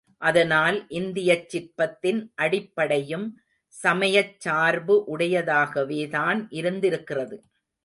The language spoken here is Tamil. அதனால் இந்தியச் சிற்பத்தின் அடிப்படையும் சமயச் சார்பு உடையதாகவேதான் இருந்திருக்கிறது.